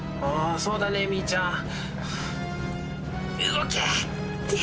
あぁそうだねみーちゃん。